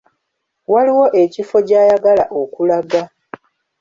Waliwo ekifo gy'ayagala okulaga.